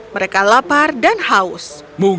mereka lalu lalu mencari jalan ke jepang